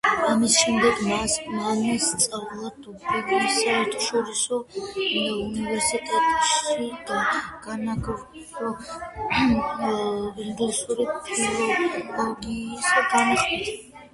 ამის შემდეგ მან სწავლა დუბლინის საერთაშორისო უნივერსიტეტში განაგრძო ინგლისური ფილოლოგიის განხრით.